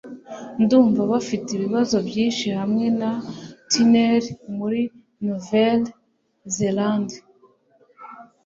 Ndumva bafite ibibazo byinshi hamwe na tunel muri Nouvelle-Zélande